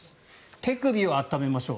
手首を温めましょう。